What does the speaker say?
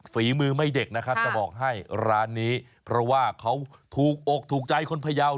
ฝีมือไม่เด็กนะครับจะบอกให้ร้านนี้เพราะว่าเขาถูกอกถูกใจคนพยาว